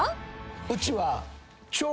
うちは。